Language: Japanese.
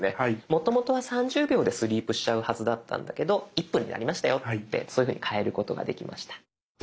もともとは３０秒でスリープしちゃうはずだったんだけど１分になりましたよってそういうふうに変えることができました。